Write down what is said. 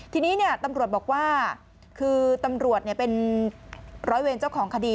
ทีนี้ตำรวจบอกว่าคือตำรวจเป็นร้อยเวรเจ้าของคดี